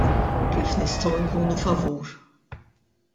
Kif nistgħu nkunu favur!?